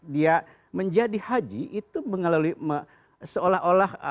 dia menjadi haji itu mengalami seolah olah